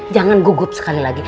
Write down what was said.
jangan gugup sekali lagi